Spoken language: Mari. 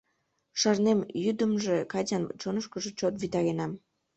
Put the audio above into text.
Шарнем, йӱдымжӧ Катян чонышкыжо чот витаренам.